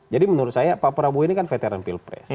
jadi menurut saya pak prabowo ini kan veteran pilpres